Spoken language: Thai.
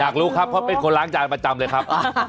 รู้ครับเพราะเป็นคนล้างจานประจำเลยครับ